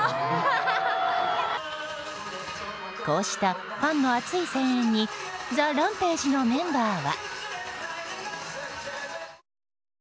こうしたファンの熱い声援にＴＨＥＲＡＭＰＡＧＥのメンバーは。